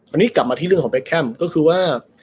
วันนี้กลับมาที่เรื่องของเบคแคมป์ก็คือว่า